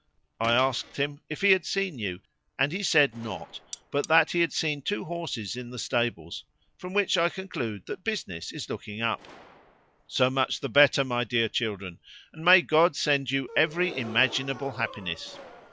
I asked him if he had seen you, and he said not, but that he had seen two horses in the stables, from which I conclude that business is looking up. So much the better, my dear children, and may God send you every imaginable happiness!